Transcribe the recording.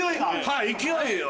はい勢いを。